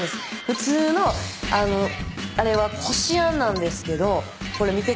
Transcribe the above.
普通のあれはこしあんなんですけどこれ見てください。